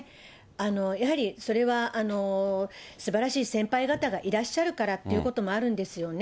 やはりそれは、すばらしい先輩方がいらっしゃるからということもあるんですよね。